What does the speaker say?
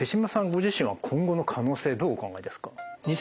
ご自身は今後の可能性どうお考えですか？